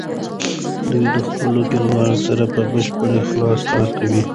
دوی د خپلو کلیوالو سره په بشپړ اخلاص کار کوي.